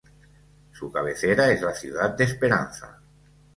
Su cabecera es la ciudad de Esperanza.